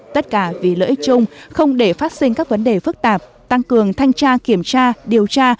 tất cả vì lợi ích chung không để phát sinh các vấn đề phức tạp tăng cường thanh tra kiểm tra điều tra